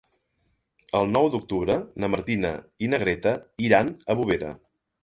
El nou d'octubre na Martina i na Greta iran a Bovera.